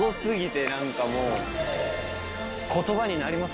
何かもう。